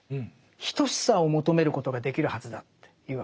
等しさを求めることができるはずだというわけですね。